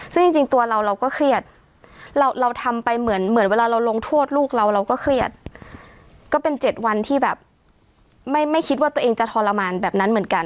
ซึ่งจริงตัวเราเราก็เครียดเราทำไปเหมือนเวลาเราลงโทษลูกเราเราก็เครียดก็เป็น๗วันที่แบบไม่คิดว่าตัวเองจะทรมานแบบนั้นเหมือนกัน